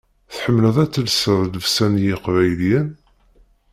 Tḥemmleḍ ad telseḍ llebsa n yeqbayliyen?